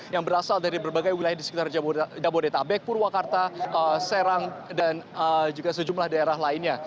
yang berasal dari berbagai wilayah di sekitar jabodetabek purwakarta serang dan juga sejumlah daerah lainnya